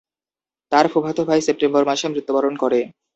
তার ফুফাতো ভাই সেপ্টেম্বর মাসে মৃত্যুবরণ করে।